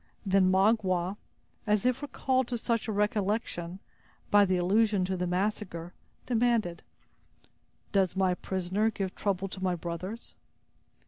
Then Magua, as if recalled to such a recollection, by the allusion to the massacre, demanded: "Does my prisoner give trouble to my brothers?"